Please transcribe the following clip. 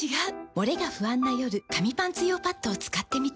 モレが不安な夜紙パンツ用パッドを使ってみた。